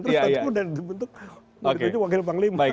terus tentu sudah dibentuk